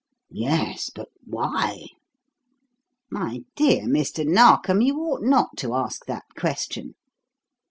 "Yes, but why?" "My dear Mr. Narkom, you ought not to ask that question.